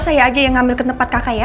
saya aja yang ngambil ke tempat kakak ya